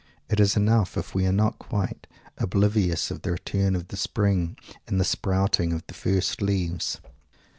It is enough if we are not quite oblivious of the return of the Spring and the sprouting of the first leaves.